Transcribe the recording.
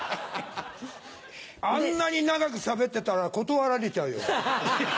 あんなに長くしゃべってたら断られちゃうよ。